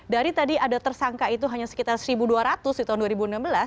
dari tadi ada tersangka itu hanya sekitar satu dua ratus di tahun dua ribu enam belas